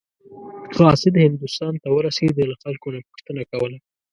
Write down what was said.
قاصد هندوستان ته ورسېده له خلکو نه پوښتنه کوله.